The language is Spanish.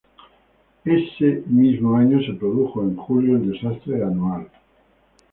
Ese mismo año se produjo en julio el desastre de Annual.